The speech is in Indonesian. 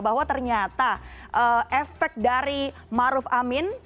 bahwa ternyata efek dari maruf amin